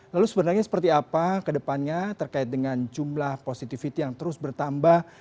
lalu sebenarnya seperti apa ke depannya terkait dengan jumlah positivity yang terus bertambah